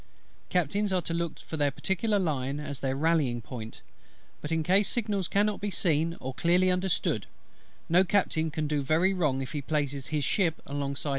Captains are to look to their particular line as their rallying point; but in case signals cannot be seen or clearly understood, no Captain can do very wrong if he places his ship alongside that of an Enemy.